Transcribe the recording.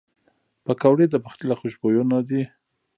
پکورې د پخلي له خوشبویو نه دي